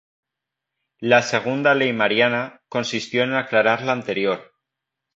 La segunda ley Mariana, consistió en aclarar la anterior.